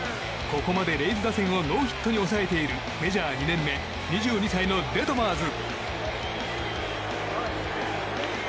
ここまでレイズ打線をノーヒットに抑えているメジャー２年目２２歳のデトマーズ。